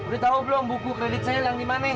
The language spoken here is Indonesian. lo tahu belum buku kredit saya hilang di mana nih